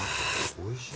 おいしい。